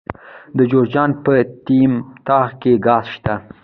د جوزجان په یتیم تاغ کې ګاز شته.